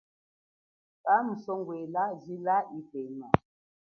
Kamusongwela jila yipema.